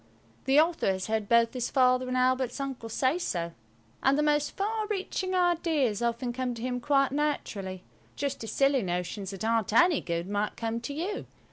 The author has heard both his Father and Albert's uncle say so. And the most far reaching ideas often come to him quite naturally–just as silly notions that aren't any good might come to you.